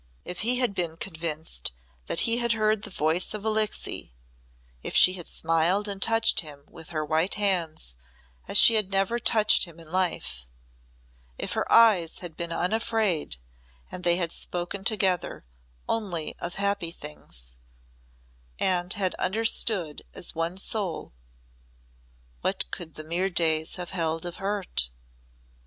If he had been convinced that he heard the voice of Alixe if she had smiled and touched him with her white hands as she had never touched him in life if her eyes had been unafraid and they had spoken together "only of happy things" and had understood as one soul what could the mere days have held of hurt?